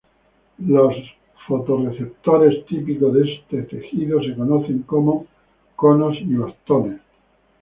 Los fotorreceptores típicos de este tejido se conocen como "conos y bastones".